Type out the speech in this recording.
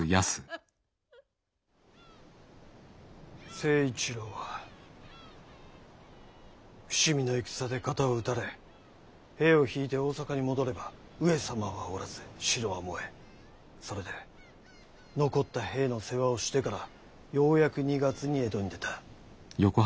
成一郎は伏見の戦で肩を撃たれ兵を退いて大坂に戻れば上様はおらず城は燃えそれで残った兵の世話をしてからようやく２月に江戸に出た。